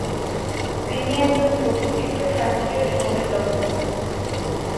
তিনি একজন প্রশিক্ষিত শাস্ত্রীয় সঙ্গীতজ্ঞ।